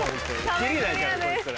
切りないからこいつら。